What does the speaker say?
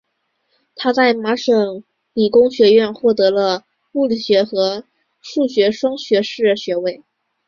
他在麻省理工学院获得了物理学和数学双学士学位。